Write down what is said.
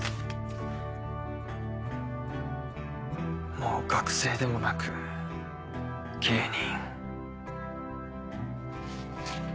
もう学生でもなく芸人。